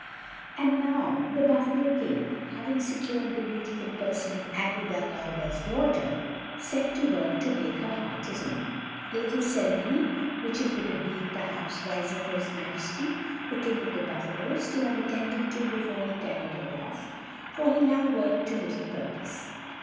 And now the buffalo king, having secured the beautiful person of Aggo Dah Gauda's daughter, set to work to make her heart his own a little ceremony which it would have been, perhaps, wiser for his majesty, the king of the buffalos, to have attended to before he carried her off, for he now worked to little purpose.